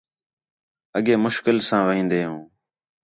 اڳّے مشکل ساں وھین٘دے ہوں